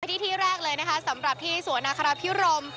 ที่ที่แรกเลยนะคะสำหรับที่สวนนาคาราพิรม